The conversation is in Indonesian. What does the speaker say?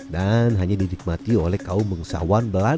dan hanya didikmati oleh kawasan kawasan yang berbeda